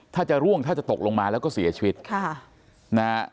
ถ้าจะร่วงถ้าจะตกลงมาแล้วก็เสียชีวิตค่ะนะฮะ